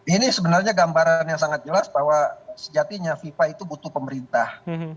ini sebenarnya gambaran yang sangat jelas bahwa sejatinya fifa itu butuh pemerintah